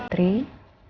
anin karisma putri